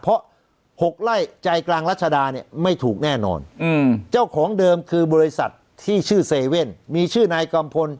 เพราะ๖ไร่ใจกลางรัชดาเนี่ยไม่ถูกแน่นอนเจ้าของเดิมคือบริษัทที่ชื่อเซเว่นมีชื่อนายกัมพล